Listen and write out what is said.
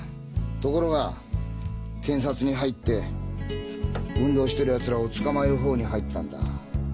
ところが検察に入って運動してるやつらを捕まえる方に入ったんだ。